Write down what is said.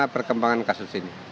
perkembangan kasus ini